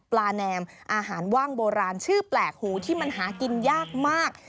แนมอาหารว่างโบราณชื่อแปลกหูที่มันหากินยากมาก